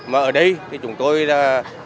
mà ở đây thì chúng tôi là